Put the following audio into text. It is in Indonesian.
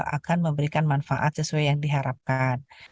akan memberikan manfaat sesuai yang diharapkan